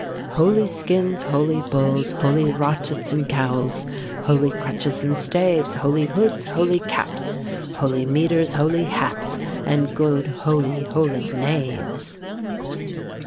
Holy skins, holy bulls, Holy rochets, and cowls, Holy crutches and staves, Holy hoods, holy caps, Holy mitres, holy hats, And good holy holy knaves.